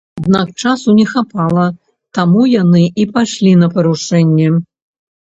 Аднак часу не хапала, таму яны і пайшлі на парушэнне.